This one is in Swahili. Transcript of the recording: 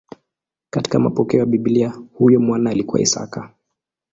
Katika mapokeo ya Biblia huyu mwana alikuwa Isaka.